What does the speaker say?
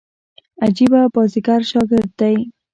عجبه بازيګر شاګرد دئ.